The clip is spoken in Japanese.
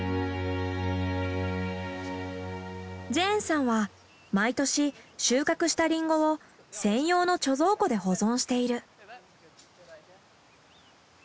ジェーンさんは毎年収穫したリンゴを専用の貯蔵庫で保存している。